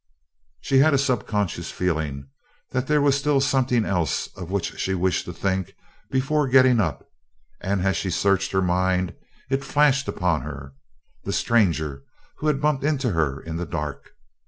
She had a subconscious feeling that there was still something else of which she wished to think before getting up, and as she searched her mind it flashed upon her the stranger who had bumped into her in the dark.